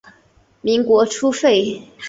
民国初废。